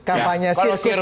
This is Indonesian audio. kampanye sirkus tadi ya